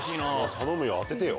頼むよ当ててよ。